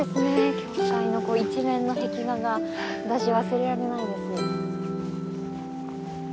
教会の一面の壁画が私忘れられないです。